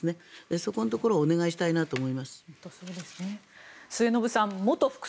そこのところをお願いしたいと思います。